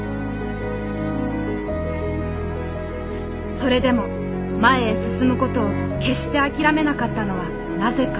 それでも前へ進むことを決して諦めなかったのはなぜか。